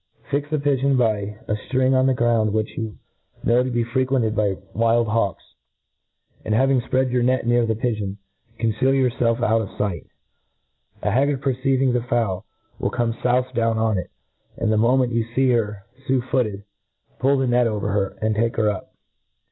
Eix a pigeon by a firing on the ground which you ^now to be frequented by wijd hawks j an4 havipg fj)read your net near the pigeon, conceal yourfclf out of fight. A haggard perceiving tho fowl, will come fpufe down on it j and the mo ment you fee her fu'fpoted, pull tl^e net ove^r her, and take her up.